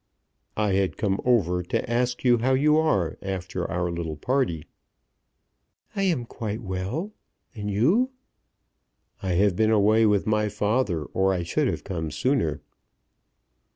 "I had come over to ask you how you are after our little party." "I am quite well; and you?" "I have been away with my father, or I should have come sooner."